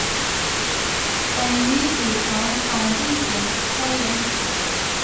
本鱼体成纺锤型稍延长。